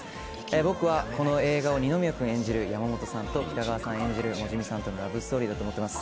僕はこの映画を二宮君演じる山本さんと北川さん演じるモジミさんのラブストーリーだと思っています。